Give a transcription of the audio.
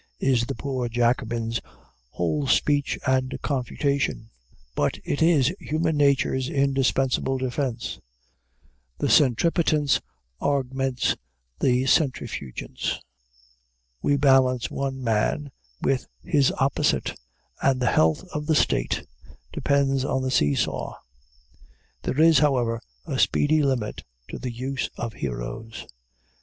is the poor Jacobin's whole speech and confutation. But it is human nature's indispensable defense. The centripetence augments the centrifugence. We balance one man with his opposite, and the health of the State depends on the see saw. There is, however, a speedy limit to the use of heroes.